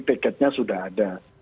tiketnya sudah ada